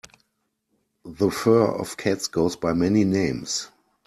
The fur of cats goes by many names.